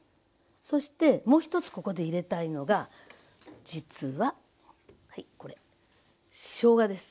そしてもう一つここで入れたいのが実ははいこれしょうがです。